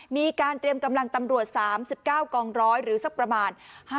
มีการเตรียมกำลังตำรวจ๓๙กองร้อยหรือสักประมาณ